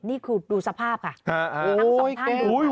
นี่คือดูสภาพค่ะ